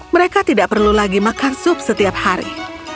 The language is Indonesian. mereka tidak perlu lagi makan sup setiap hari